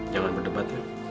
jangan berdebat ya